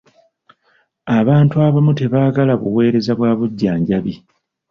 Abantu abamu tebaagala buweereza bwa bujjanjabi.